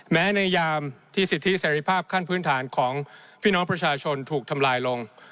ในยามที่สิทธิเสรีภาพขั้นพื้นฐานของพี่น้องประชาชนถูกทำลายลง